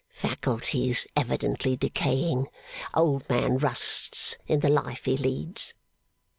['Faculties evidently decaying old man rusts in the life he leads!